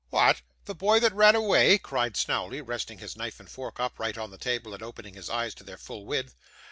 'What! The boy that run away!' cried Snawley, resting his knife and fork upright on the table, and opening his eyes to their full width.